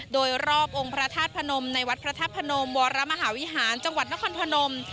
โดยรอบองค์พระธาตุพนมในวัดพระธาตุพนมวรมหาวิหารจังหวัดนครพนม